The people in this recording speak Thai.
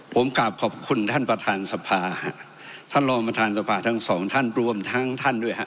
ผมกกลับขอบคุณท่านประธานสภาฯฯท่านลอร์มพระธรรมสภาฯฯทั้งสองท่านรวมทั้งท่านด้วยเคร้า